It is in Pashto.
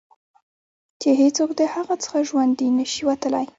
چې هېڅوک د هغه څخه ژوندي نه شي وتلای.